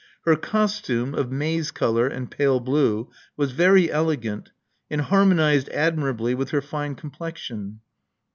Her costume of maize color and pale blue was very elegant, and harmonized admirably with her fine complexion.